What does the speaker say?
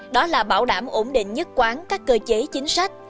đó là bảo đảm ổn định nhất quán các cơ chế chính sách